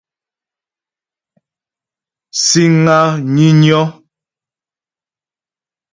Síŋ á nyə́nyɔ́.